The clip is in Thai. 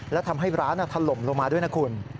และทำให้ร้านถล่มลงมาด้วยนะคุณ